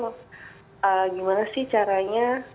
gimana sih caranya